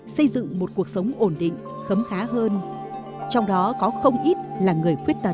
xây dựng một cuộc sống ổn định khấm khá hơn trong đó có không ít là người khuyết tật